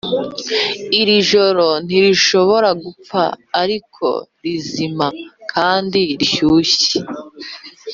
iri joro ntirishobora gupfa ariko rizima kandi rishyushye